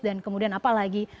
dan kemudian apalagi